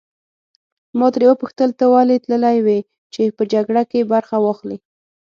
ما ترې وپوښتل ته ولې تللی وې چې په جګړه کې برخه واخلې.